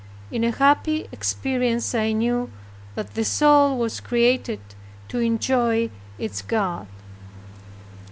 In a happy experience I knew that the soul was created to enjoy its God.